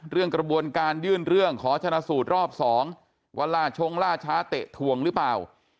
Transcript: กระบวนการยื่นเรื่องขอชนะสูตรรอบ๒ว่าล่าชงล่าช้าเตะถวงหรือเปล่า